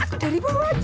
aku dari bawah aja emak